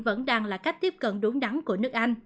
vẫn đang là cách tiếp cận đúng đắn của nước anh